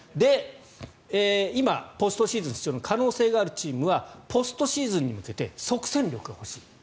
今、ポストシーズンの可能性があるチームはポストシーズンに向けて即戦力が欲しい。